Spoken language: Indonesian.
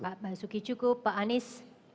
pak basuki cukup pak anies